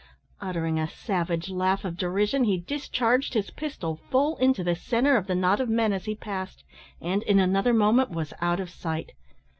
Uttering a savage laugh of derision, he discharged his pistol full into the centre of the knot of men as he passed, and, in another moment, was out of sight.